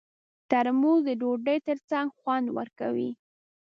ترموز د ډوډۍ ترڅنګ خوند ورکوي.